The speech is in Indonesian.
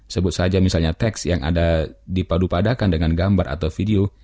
sebut saja misalnya teks yang ada dipadupadakan dengan gambar atau video